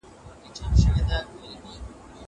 زه اوږده وخت کتابتون ته ځم!